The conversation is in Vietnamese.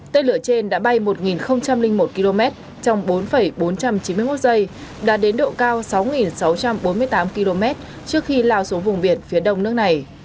tên lửa trên đã bay một một km trong bốn bốn trăm chín mươi một giây đã đến độ cao sáu sáu trăm bốn mươi tám km trước khi lao xuống vùng biển phía đông nước này